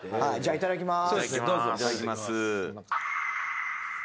いただきます。